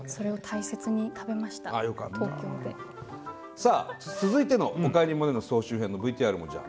さあ続いての「おかえりモネ」の総集編のＶＴＲもじゃあ。